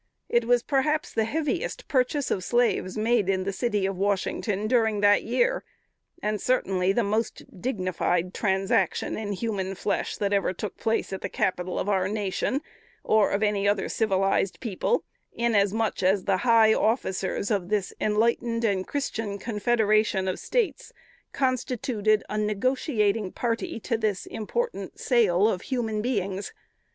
It was perhaps the heaviest purchase of slaves made in the city of Washington during that year, and certainly the most dignified transaction in human flesh that ever took place at the capital of our nation, or of any other civilized people; inasmuch as the high officers of this enlightened and Christian confederation of States constituted a negotiating party to this important sale of human beings.